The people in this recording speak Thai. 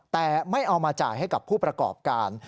แต่ไม่เอามาจ่ายให้กับผู้ประกอบการ